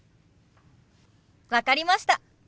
分かりました。